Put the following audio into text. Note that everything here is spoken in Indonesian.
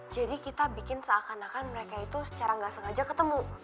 jadi kita bikin seakan akan mereka itu secara gak sengaja ketemu